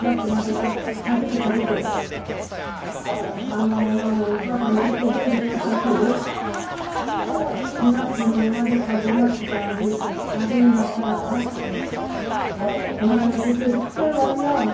あのお母さんちょっと元気になったし４月の終わりか５月か春になったらお前のとこ行きたいわいや。